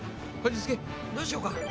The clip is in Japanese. どうしようか？